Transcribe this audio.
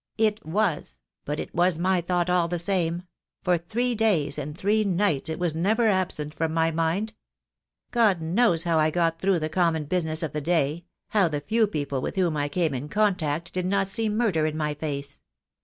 "It was; but it was my thought all the same; for three days and three nights it was never absent from my mind. God knows how I got through the common busi ness of the day — how the few people with whom I came in contact did not see murder in my face!